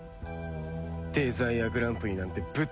デザイアグランプリなんてぶっ潰してやる！